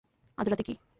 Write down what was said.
আজ রাতে কি?